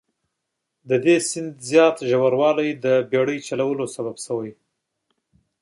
د دې سیند زیات ژوروالی د بیړۍ چلولو سبب شوي.